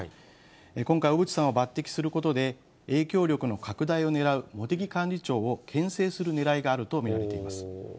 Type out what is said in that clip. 今回、小渕さんを抜てきすることで、影響力の拡大をねらう茂木幹事長をけん制するねらいがあると見られています。